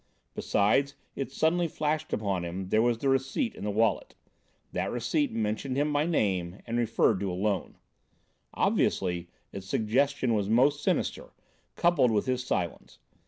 Besides, it suddenly flashed upon him, there was the receipt in the wallet. That receipt mentioned him by name and referred to a loan. Obviously, its suggestion was most sinister, coupled with his silence.